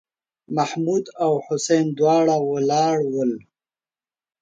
محمـود او حسين دواړه ولاړ ول.